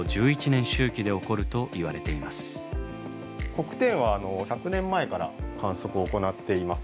黒点は１００年前から観測を行っています。